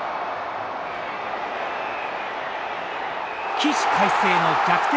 起死回生の逆転